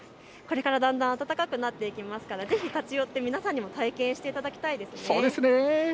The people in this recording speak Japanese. これからだんだん暖かくなっていきますからぜひ立ち寄って皆さんにも体験していただきたいですね。